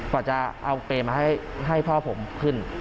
กว่าจะเอาเปรย์มาให้พ่อผมขึ้น